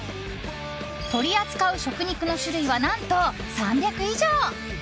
取り扱う食肉の種類は何と３００以上！